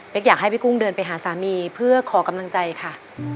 อยากให้พี่กุ้งเดินไปหาสามีเพื่อขอกำลังใจค่ะ